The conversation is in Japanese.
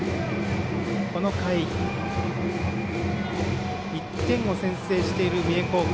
この回、１点を先制している三重高校。